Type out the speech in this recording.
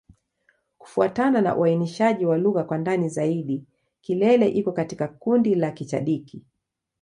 Kufuatana na uainishaji wa lugha kwa ndani zaidi, Kilele iko katika kundi la Kichadiki.